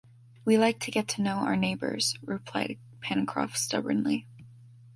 “We like to get to know our neighbors”, replied Pencroff, stubbornly.